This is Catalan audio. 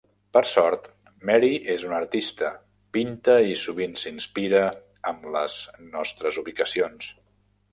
Per sort, Mary es una artista. Pinta i sovint s'inspira amb les nostres ubicacions.